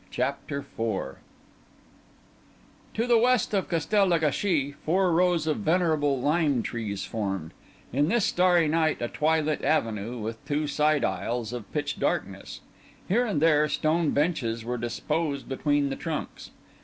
CHAPTER IV To the west of Castel le Gâchis four rows of venerable lime trees formed, in this starry night, a twilit avenue with two side aisles of pitch darkness. Here and there stone benches were disposed between the trunks.